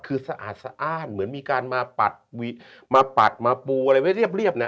คือสะอาดเหมือนมีการมาปัดมาปูอะไรไว้เรียบเนี่ย